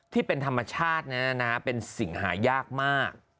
ที่เป็นธรรมชาติเป็นสิ่งหายากมาก